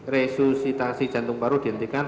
resusitasi jantung paru dihentikan